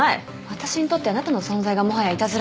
私にとってあなたの存在がもはやいたずらグッズです。